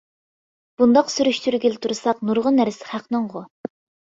بۇنداق سۈرۈشتۈرگىلى تۇرساق نۇرغۇن نەرسە خەقنىڭغۇ.